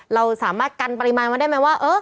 เราสามารถกันปริมาณมาได้ไหมว่า